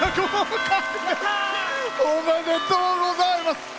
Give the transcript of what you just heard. おめでとうございます。